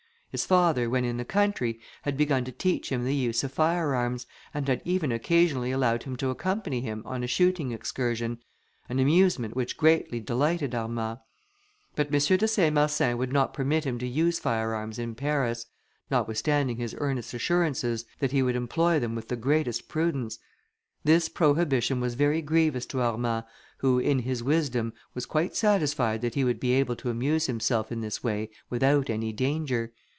His father, when in the country, had begun to teach him the use of firearms, and had even occasionally allowed him to accompany him on a shooting excursion, an amusement which greatly delighted Armand. But M. de Saint Marsin would not permit him to use firearms in Paris, notwithstanding his earnest assurances that he would employ them with the greatest prudence. This prohibition was very grievous to Armand, who, in his wisdom, was quite satisfied that he would be able to amuse himself in this way without any danger.